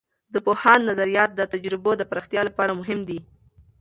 د پوهاند نظریات د تجربو د پراختیا لپاره مهم دي.